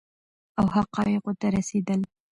او حقایقو ته رسیدل